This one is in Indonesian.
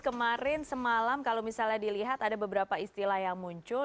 kemarin semalam kalau misalnya dilihat ada beberapa istilah yang muncul